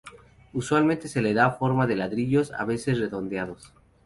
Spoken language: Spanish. Usualmente se le da forma de ladrillos, a veces redondeados.